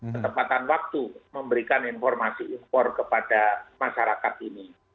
ketepatan waktu memberikan informasi impor kepada masyarakat ini